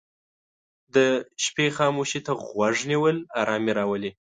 د شپې خاموشي ته غوږ نیول آرامي راولي.